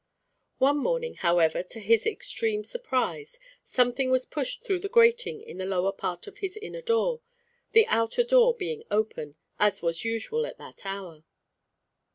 One morning, however, to his extreme surprise, something was pushed through the grating in the lower part of his inner door, the outer door being open, as was usual at that hour.